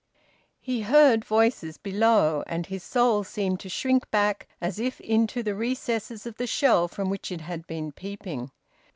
He heard voices below. And his soul seemed to shrink back, as if into the recesses of the shell from which it had been peeping.